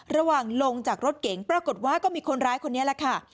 ลงจากรถเก๋งปรากฏว่าก็มีคนร้ายคนนี้แหละค่ะ